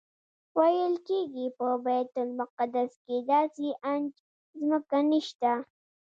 ویل کېږي په بیت المقدس کې داسې انچ ځمکه نشته.